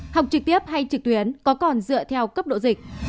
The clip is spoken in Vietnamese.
học trực tiếp hay trực tuyến có còn dựa theo cấp độ dịch